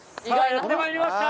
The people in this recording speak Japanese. やってまいりました